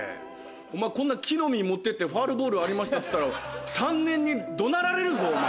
こんな木の実持ってってファウルボールありましたっつったら３年に怒鳴られるぞお前。